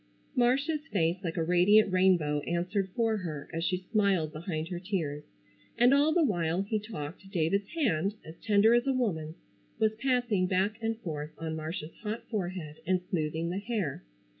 Marcia's face like a radiant rainbow answered for her as she smiled behind her tears, and all the while he talked David's hand, as tender as a woman's, was passing back and forth on Marcia's hot forehead and smoothing the hair.